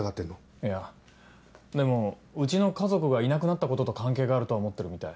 いやでもうちの家族がいなくなったことと関係があるとは思ってるみたい。